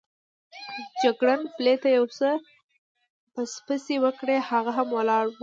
جګړن پلي ته یو څه پسپسې وکړې، هغه هم ولاړ.